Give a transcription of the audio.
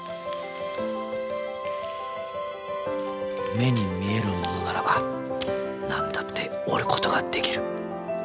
目に見えるものならば何だって折ることができる。